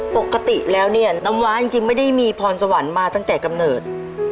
ปกติแล้วเนี่ยน้ำว้าจริงไม่ได้มีพรสวรรค์มาตั้งแต่กำเนิด